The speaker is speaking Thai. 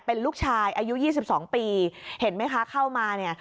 เป็นลูกชายอายุ๒๒ปีเห็นไหมคะเข้ามาเนี่ย